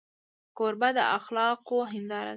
کوربه د اخلاقو هنداره وي.